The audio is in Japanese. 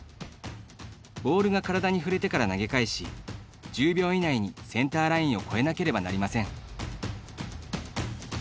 ボールが体に触れてから投げ返し１０秒以内にセンターラインを越えなければなりません。